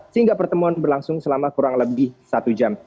sehingga pertemuan berlangsung selama kurang lebih satu jam